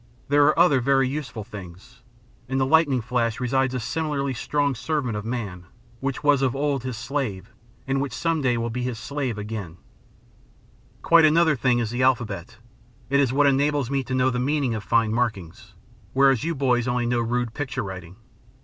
There are other very useful things. In the lightning flash resides a similarly strong servant of man, which was of old his slave and which some day will be his slave again. [Illustration: I have stored many books in a cave 179] "Quite a different thing is the alphabet. It is what enables me to know the meaning of fine markings, whereas you boys know only rude picture writing.